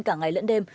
cả ngày lẫn đêm